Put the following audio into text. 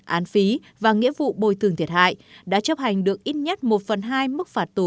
án phí và nghĩa vụ bồi thường thiệt hại đã chấp hành được ít nhất một phần hai mức phạt tù